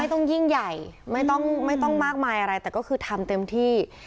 ต้องยิ่งใหญ่ไม่ต้องไม่ต้องมากมายอะไรแต่ก็คือทำเต็มที่